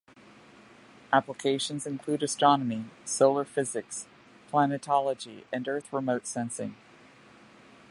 Applications include astronomy, solar physics, planetology, and Earth remote sensing.